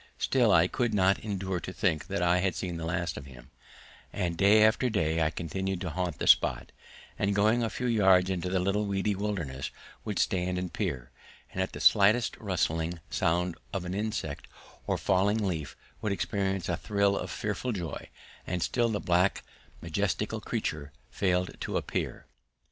Still, I could not endure to think I had seen the last of him, and day after day I continued to haunt the spot, and going a few yards into the little weedy wilderness would stand and peer, and at the slightest rustling sound of an insect or falling leaf would experience a thrill of fearful joy, and still the black majestical creature failed to appear.